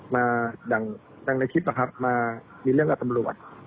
มาดังในคลิปนะครับมามีเรื่องกับตำรวจ